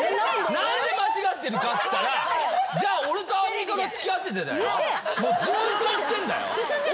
何で間違ってるかっつったらじゃあ俺とアンミカが付き合っててだよずっと言ってんだよ折れてないんだよ。